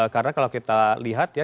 karena kalau kita lihat ya